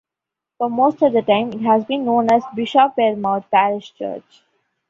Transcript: For most of that time, it has been known as 'Bishopwearmouth Parish Church'.